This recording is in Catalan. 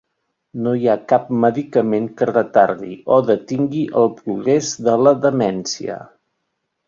No hi ha cap medicament que retardi o detingui el progrés de la demència.